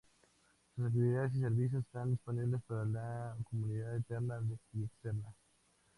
Sus actividades y servicios están disponibles para la comunidad interna y externa.